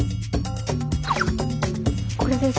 これです。